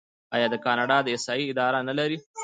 آیا کاناډا د احصایې اداره نلري؟